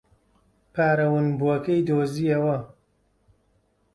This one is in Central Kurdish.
پارە ونبووەکەی دۆزییەوە.